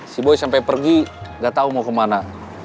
si boy sampai pergi gak tau mau kemana